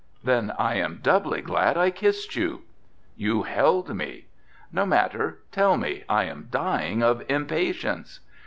"Then I am doubly glad I kissed you." "You held me." "No matter. Tell me, I am dying of impatience."